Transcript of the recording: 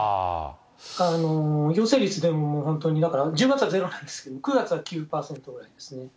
陽性率でも本当にだから１０月はゼロなんですけれども、９月は９％ぐらいですね。